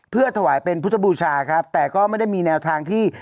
เพื่อถวายเป็นพุทธบูชาครับแต่ก็ไม่ได้มีแนวทางที่